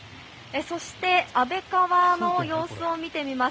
そして安倍川の様子を見てみます。